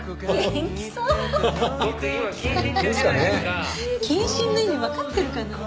謹慎の意味わかってるかな？